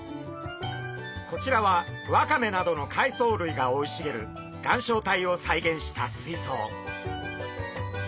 こちらはワカメなどの海藻類が生い茂る岩礁帯を再現した水槽。